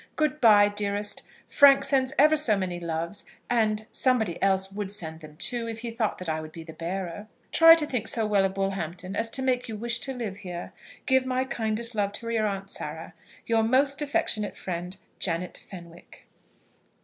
Good bye, dearest; Frank sends ever so many loves; and somebody else would send them too, if he thought that I would be the bearer. Try to think so well of Bullhampton as to make you wish to live here. Give my kindest love to your aunt Sarah. Your most affectionate friend, JANET FENWICK.